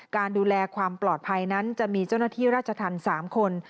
การดูแลความปลอดภัยนั้นจะมีเจ้าหน้าที่ราชธรรม๓คน